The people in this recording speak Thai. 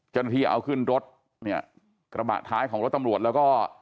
เจ้าหน้าที่เอาขึ้นรถเนี่ยกระบะท้ายของรถตำรวจแล้วก็